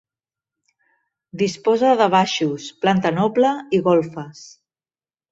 Disposa de baixos, planta noble i golfes.